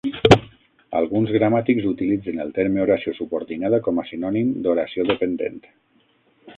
Alguns gramàtics utilitzen el terme "oració subordinada" com a sinònim d'"oració dependent".